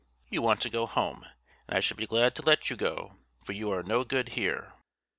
You want to go home, and I should be glad to let you go, for you are no good here."